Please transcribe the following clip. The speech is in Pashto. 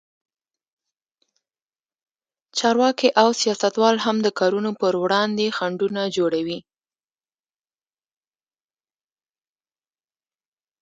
چارواکي او سیاستوال هم د کارونو پر وړاندې خنډونه جوړوي.